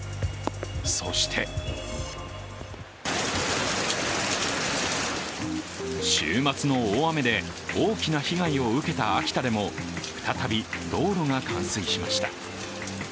そして週末の大雨で大きな被害を受けた秋田でも、再び、道路が冠水しました。